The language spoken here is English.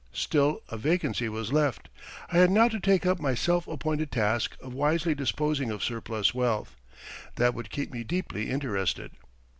Still a vacancy was left. I had now to take up my self appointed task of wisely disposing of surplus wealth. That would keep me deeply interested.